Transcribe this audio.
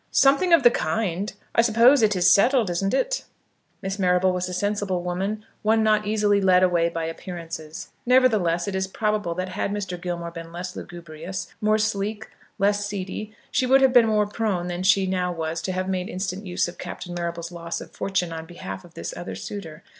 "Something of the kind! I suppose it is settled; isn't it?" Miss Marrable was a sensible woman, one not easily led away by appearances. Nevertheless, it is probable that had Mr. Gilmore been less lugubrious, more sleek, less "seedy," she would have been more prone than she now was to have made instant use of Captain Marrable's loss of fortune on behalf of this other suitor.